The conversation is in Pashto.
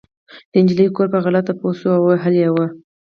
د انجلۍ کورنۍ په غلطه پوه شوې وه او وهلې يې وه